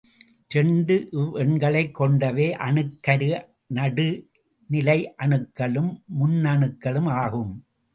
இரண்டு இவ்வெண்களைக் கொண்டவை அணுக்கரு நடுநிலையணுக்களும், முன்னணுக்களும் ஆகும்.